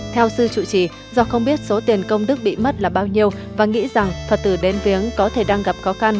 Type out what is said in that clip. theo sư chủ trì do không biết số tiền công đức bị mất là bao nhiêu và nghĩ rằng phật tử đến viếng có thể đang gặp khó khăn